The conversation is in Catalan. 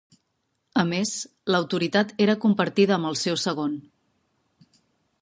A més, l'autoritat era compartida amb el seu segon.